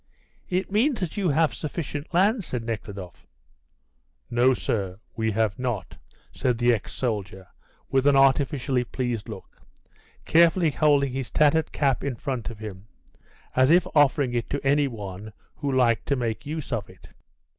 "It means that you have sufficient land," said Nekhludoff. "No, sir, we have not," said the ex soldier, with an artificially pleased look, carefully holding his tattered cap in front of him, as if offering it to any one who liked to make use of it.